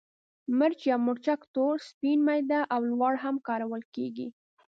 مرچ یا مرچک تور، سپین، میده او لواړ هم کارول کېږي.